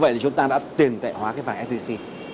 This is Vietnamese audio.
vậy thì chúng ta đã tiền tệ hóa cái vàng sgc